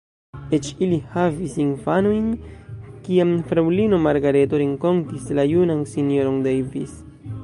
Eĉ ili havis infanojn, kiam fraŭlino Margareto renkontis la junan S-ron Davis.